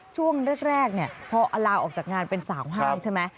ช่วงแรกพอลาออกจากงานเป็นสาวห้างใช่ไหม